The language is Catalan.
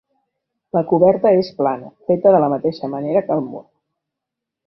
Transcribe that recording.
La coberta és plana, feta de la mateixa manera que el mur.